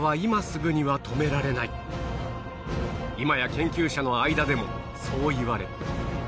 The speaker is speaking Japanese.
今や研究者の間でもそう言われ